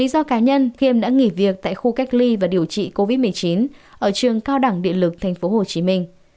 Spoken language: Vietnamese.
do cá nhân khiêm đã nghỉ việc tại khu cách ly và điều trị covid một mươi chín ở trường cao đẳng điện lực tp hcm